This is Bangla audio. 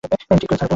ঠিক করে ছাড়বো।